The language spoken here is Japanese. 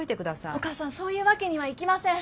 お母さんそういうわけにはいきません。